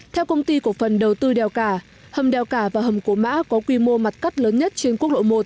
theo công ty cổ phần đầu tư đèo cả hầm đèo cả và hầm cổ mã có quy mô mặt cắt lớn nhất trên quốc lộ một